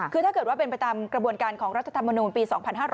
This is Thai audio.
คือถ้าเกิดว่าเป็นไปตามกระบวนการของรัฐธรรมนูลปี๒๕๕๙